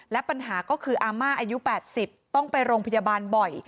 และปัญหาก็คืออาม่าอายุ๘๐ต้องไปโรงพยาบาลบ่อย